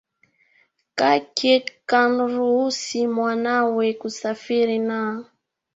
Kake kanruhusi mwanawe kusafiri na